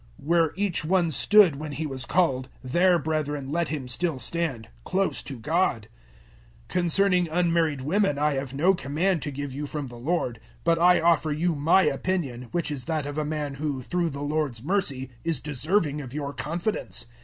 007:024 Where each one stood when he was called, there, brethren, let him still stand close to God. 007:025 Concerning unmarried women I have no command to give you from the Lord; but I offer you my opinion, which is that of a man who, through the Lord's mercy, is deserving of your confidence.